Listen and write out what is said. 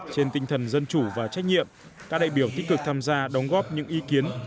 trên tinh thần dân chủ và trách nhiệm các đại biểu tích cực tham gia đóng góp những ý kiến